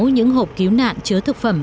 những hộp cứu nạn chứa thực phẩm